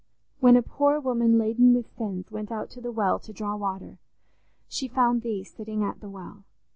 When a poor woman laden with sins, went out to the well to draw water, she found Thee sitting at the well.